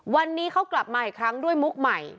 วันนี้เขากลับมาอีกครั้งด้วยมุกใหม่